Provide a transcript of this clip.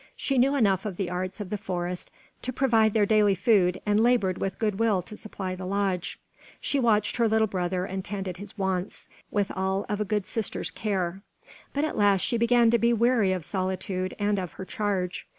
She knew enough of the arts of the forest to provide their daily food and labored with good will to supply the lodge. She watched her little brother and tended his wants, with all of a good sister's care. But at last she began to be weary of solitude and of her charge.